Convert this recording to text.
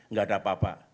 gak ada apa apa